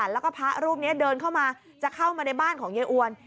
แล้วก็พระรูปนี้เดินเข้ามาจะเข้ามาในบ้านของยายอวน